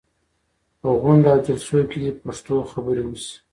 په غونډو او جلسو کې دې پښتو خبرې وشي.